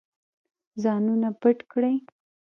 ځانونه پټ کړئ.